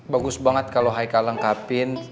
bagus banget kalau haika lengkapin